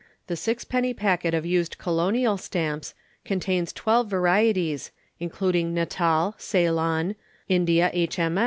The Sixpenny Packet of Used Colonial Stamps contains 12 varieties, including Natal, Ceylon, India H.